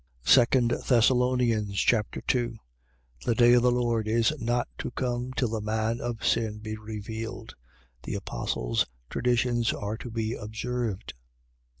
2 Thessalonians Chapter 2 The day of the Lord is not to come till the man of sin be revealed. The apostle's traditions are to be observed.